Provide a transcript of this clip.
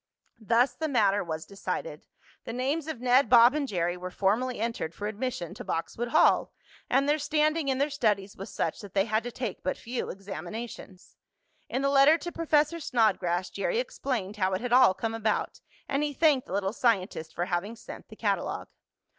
Thus the matter was decided. The names of Ned, Bob and Jerry were formally entered for admission to Boxwood Hall, and their standing in their studies was such that they had to take but few examinations. In the letter to Professor Snodgrass Jerry explained how it had all come about, and he thanked the little scientist for having sent the catalogue.